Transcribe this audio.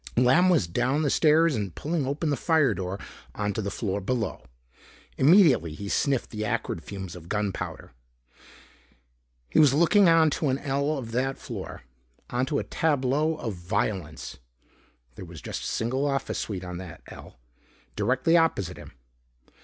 Lamb was down the stairs and pulling open the firedoor onto the floor below. Immediately he sniffed the acrid fumes of gunpowder. He was looking out onto an ell of that floor. Onto a tableau of violence. There was just a single office suite on that ell, directly opposite him.